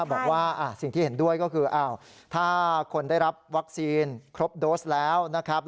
บอกว่าสิ่งที่เห็นด้วยก็คือถ้าคนได้รับวัคซีนครบโดสแล้วนะครับ